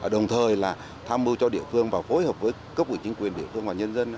đồng thời là tham mưu cho địa phương và phối hợp với cấp quỷ chính quyền địa phương và nhân dân